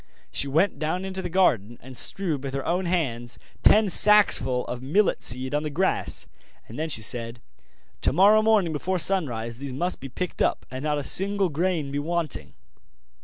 She went down into the garden and strewed with her own hands ten sacksful of millet seed on the grass; then she said: 'Tomorrow morning before sunrise these must be picked up, and not a single grain be wanting.